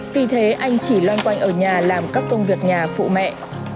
vì thế anh chỉ loanh quanh ở nhà làm các công việc nhà phụ mẹ